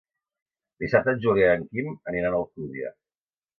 Dissabte en Julià i en Quim aniran a Alcúdia.